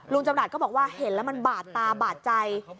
จำรัฐก็บอกว่าเห็นแล้วมันบาดตาบาดใจ